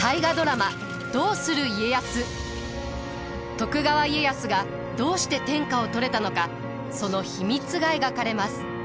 徳川家康がどうして天下を取れたのかその秘密が描かれます。